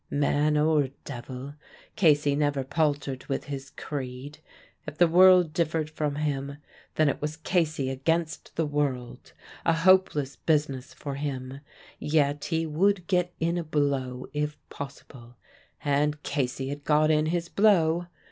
Man or devil, Casey never paltered with his creed; if the world differed from him, then it was Casey against the world; a hopeless business for him, yet he would get in a blow if possible. And Casey had got in his blow.